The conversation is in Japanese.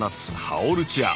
ハオルチア。